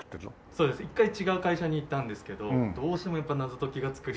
そうです一回違う会社に行ったんですけどどうしてもやっぱ謎解きが作りたい。